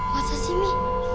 masa sih mi